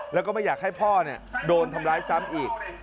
แล้วก็ไม่อยากให้พ่อโดนทำร้ายซ้ำอีก